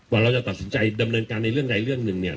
ว่าเราจะตัดสินใจดำเนินการในเรื่องใดเรื่องหนึ่งเนี่ย